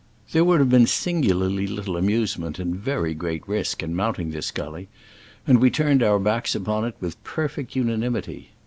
There would have been singularly little amusement and very great risk in mounting this gully, and we turned our backs upon it with perfect unanimity.